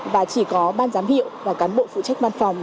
và chỉ có ban giám hiệu và cán bộ phụ trách văn phòng